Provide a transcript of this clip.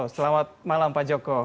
selamat malam pak joko